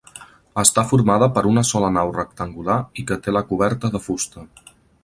Està formada per una sola nau rectangular i que té la coberta de fusta.